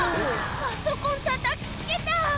パソコンたたきつけた！